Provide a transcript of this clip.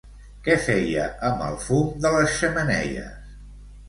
Què feia amb el fum de les xemeneies?